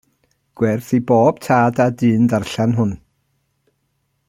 Gwerth i bob tad a dyn ddarllen hwn.